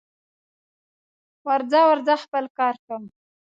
ورځه ورځه خپل کار کوه